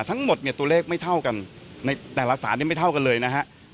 ทั้งหมดตัวเลขไม่เท่ากันในแต่ละสารไม่เท่ากันเลยนะครับ